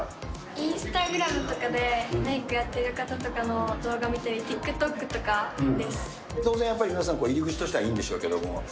インスタグラムとかでメイクやってる方とかの動画を見たり、当然やっぱり、入り口としてはいいんでしょうけども。